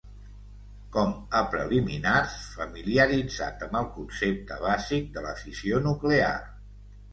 Com a preliminars, familiaritza't amb el concepte bàsic de la fissió nuclear.